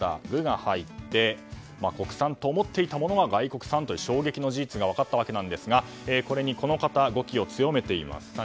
「グ」が入って国産と思っていたものが外国産という衝撃の事実が分かったんですがこれに、この方は語気を強めています。